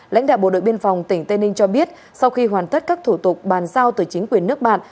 lãnh đạo bộ đội biên phòng tỉnh tây ninh cho biết sau khi hoàn tất các thủ tục bàn giao từ chính quyền nước bạn